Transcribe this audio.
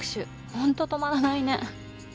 本当止まらないね。